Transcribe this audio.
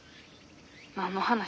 何の話？